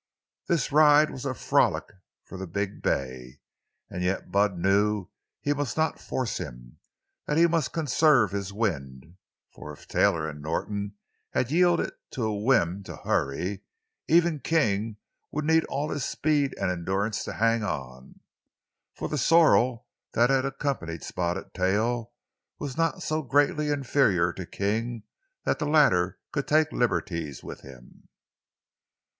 This ride was a frolic for the big bay, and yet Bud knew he must not force him, that he must conserve his wind, for if Taylor and Norton had yielded to a whim to hurry, even King would need all his speed and endurance to hang on. For the sorrel that had accompanied Spotted Tail was not so greatly inferior to King that the latter could take liberties with him.